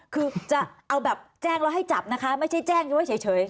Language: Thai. อ๋อคือจะแจ้งเราให้จับนะคะไม่ใช่แจ้งเฉย